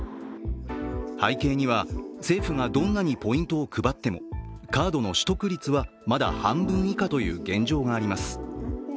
背景には、政府がどんなにポイントを配ってもカードの取得率は、まだ半分以下という現状があります。